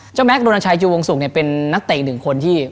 เจ้าแม็คโรนาชัยจูวงศุกร์เป็นนักเตะหนึ่งคนที่